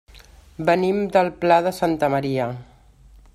Venim del Pla de Santa Maria.